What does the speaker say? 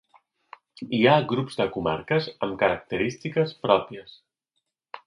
Hi ha grups de comarques amb característiques pròpies